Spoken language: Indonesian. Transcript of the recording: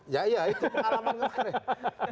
ya ya itu pengalaman kemarin